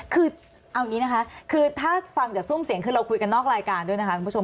คือเอาอย่างนี้นะคะคือถ้าฟังจากซุ่มเสียงคือเราคุยกันนอกรายการด้วยนะคะคุณผู้ชม